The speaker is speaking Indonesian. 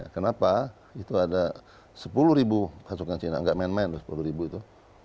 kenapa itu ada sepuluh ribu pasukan china nggak main main sepuluh ribu itu